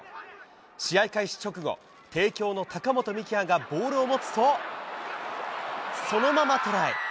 試合開始直後、帝京の高本幹也がぼーるをもつと、そのままトライ。